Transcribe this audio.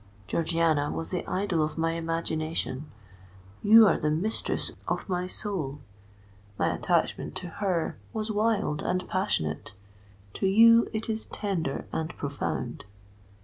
Georgiana was the idol of my imagination—you are the mistress of my soul. My attachment to her was wild and passionate—to you it is tender and profound.